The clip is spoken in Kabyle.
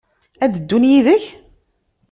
Ad d-ddun yid-k?